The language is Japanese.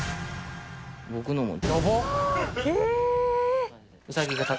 僕のも。